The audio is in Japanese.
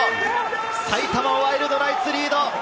埼玉ワイルドナイツ、リード。